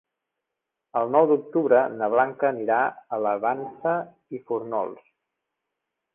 El nou d'octubre na Blanca anirà a la Vansa i Fórnols.